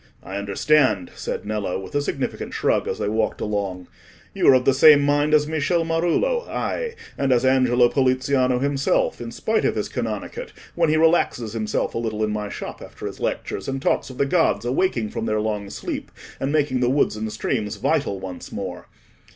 "I understand," said Nello, with a significant shrug, as they walked along. "You are of the same mind as Michele Marullo, ay, and as Angelo Poliziano himself, in spite of his canonicate, when he relaxes himself a little in my shop after his lectures, and talks of the gods awaking from their long sleep and making the woods and streams vital once more.